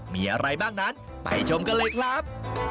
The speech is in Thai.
มีอะไรบ้างนั้นไปชมกันเลยครับ